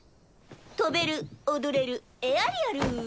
飛べる踊れるエアリアル。